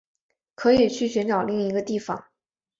可以去寻找另一个地方